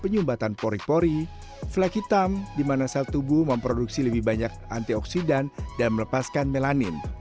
penyumbatan pori pori flag hitam di mana sel tubuh memproduksi lebih banyak antioksidan dan melepaskan melanin